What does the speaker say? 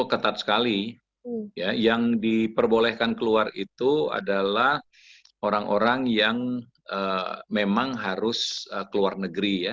ketat sekali yang diperbolehkan keluar itu adalah orang orang yang memang harus ke luar negeri ya